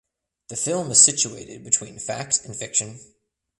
The film is situated between fact and fiction.